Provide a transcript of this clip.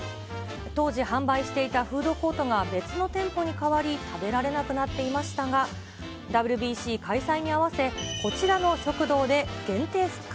当時、販売していたフードコートが別の店舗に変わり、食べられなくなっていましたが、ＷＢＣ開催に合わせ、こちらの食堂で限定復活。